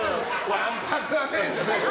わんぱくだね、じゃないよ。